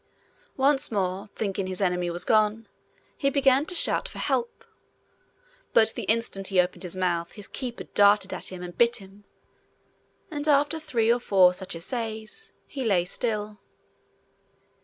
Once more, thinking his enemy was gone, he began to shout for help. But the instant he opened his mouth his keeper darted at him and bit him, and after three or four such essays, he lay still.